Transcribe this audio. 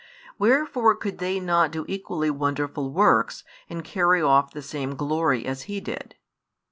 Wherefore could they not do equally wonderful works and carry off the same glory as he did?